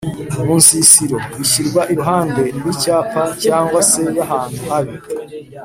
munsisiro=bishyirwa iruhande rw’icyapa cg se y’ahantu habi